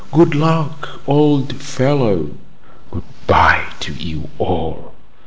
Good luck, old fellow!" "Good bye to you all!"